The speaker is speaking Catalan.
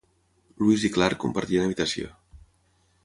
Lewis i Clark compartien habitació.